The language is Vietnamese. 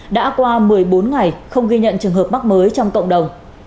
đã qua một mươi bốn ngày không ghi nhận trường hợp mắc mới trong cộng đồng